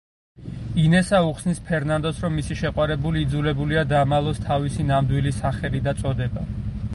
ინესა უხსნის ფერნანდოს, რომ მისი შეყვარებული იძულებულია დამალოს თავისი ნამდვილი სახელი და წოდება.